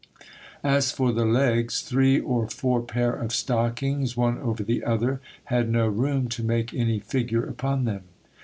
As for the legs, three or four pair of stockings one over the other, had no room to make any figure upon them.